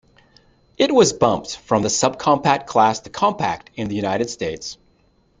It was bumped from the subcompact class to compact in the United States.